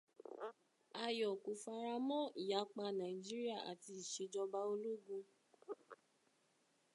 Ayọ̀ kò fara mọ́ ìyapa Nàíjíríà àti ìṣèjọba ológun